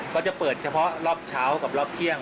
ก็จะเปิดเฉพาะรอบเช้ากับรอบเที่ยง